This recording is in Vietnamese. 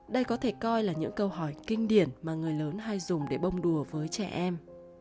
đây có thể coi là những câu hỏi kinh điển mà người lớn hay dùng để bông đùa với trẻ em